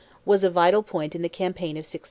was a vital point in the campaign of 1640.